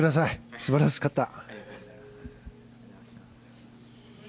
素晴らしかった。